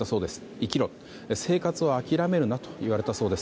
生きろ、生活を諦めるなと言われたそうです。